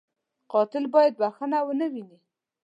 قاتل باید بښنه و نهويني